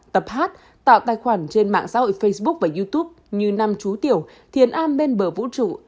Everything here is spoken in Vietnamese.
tập hát tạo tài khoản trên mạng xã hội facebook và youtube như nam chú tiểu thiền a bên bờ vũ trụ